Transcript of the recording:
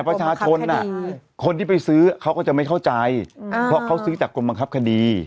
ประชาชนคนที่ไปซื้อเขาก็จะไม่เข้าใจเพราะเขาซื้อจากกรมบังคับคดี